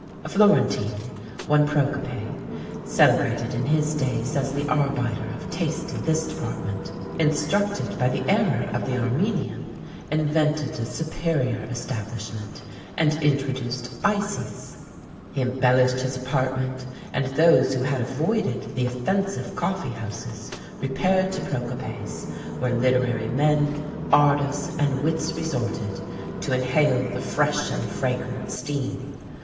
A Florentine, one Procope, celebrated in his day as the arbiter of taste in this department, instructed by the error of the Armenian, invented a superior establishment, and introduced ices; he embellished his apartment, and those who had avoided the offensive coffee houses repaired to Procope's; where literary men, artists, and wits resorted, to inhale the fresh and fragrant steam.